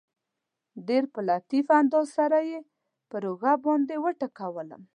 ډېر په لطیف انداز سره یې پر اوږه باندې وټکولم.